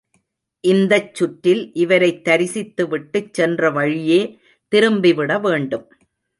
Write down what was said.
இந்தச் சுற்றில் இவரைத் தரிசித்து விட்டுச் சென்ற வழியே திரும்பிவிட வேண்டும்.